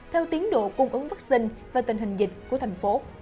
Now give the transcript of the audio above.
theo tiến độ cung ứng vaccine và tình hình dịch của thành phố